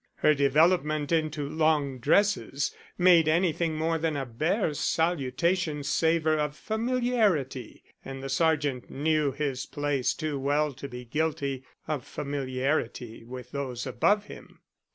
Her development into long dresses made anything more than a bare salutation savour of familiarity, and the sergeant knew his place too well to be guilty of familiarity with those above him.